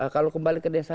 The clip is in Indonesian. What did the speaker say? kalau kembali ke desa